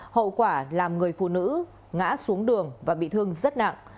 hậu quả làm người phụ nữ ngã xuống đường và bị thương rất nặng